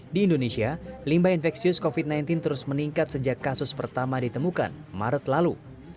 di indonesia limbah infeksius covid sembilan belas terus meningkat sejak kasus pertama ditemukan maret lalu